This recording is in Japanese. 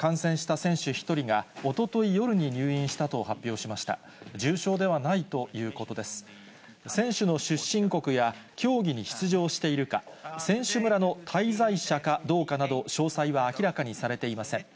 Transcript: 選手の出身国や競技に出場しているか、選手村の滞在者かどうかなど、詳細は明らかにされていません。